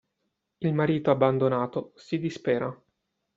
Il marito abbandonato, si dispera.